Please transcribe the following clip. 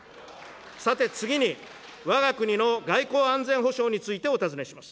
さて、次にわが国の外交・安全保障についてお尋ねします。